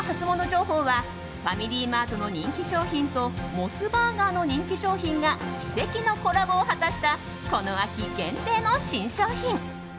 情報はファミリーマートの人気商品とモスバーガーの人気商品が奇跡のコラボを果たしたこの秋限定の新商品。